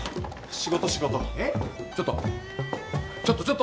ちょっと。